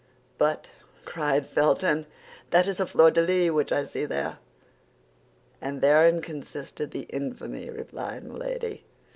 "But," cried Felton, "that is a fleur de lis which I see there." "And therein consisted the infamy," replied Milady.